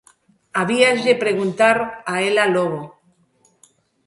Habíaslle preguntar a ela logo.